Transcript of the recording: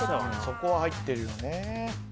そこは入ってるよね